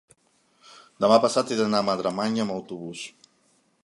demà passat he d'anar a Madremanya amb autobús.